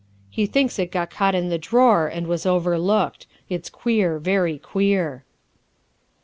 " He thinks it got caught in the drawer and was overlooked. It's queer, very queer."